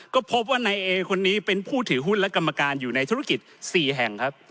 ก็พบว่านายเอคนนี้เป็นผู้ถือหุ้นและกรรมการอยู่ในธุรกิจ๔แห่งครับ